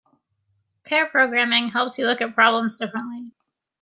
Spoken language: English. Pair programming helps you look at problems differently.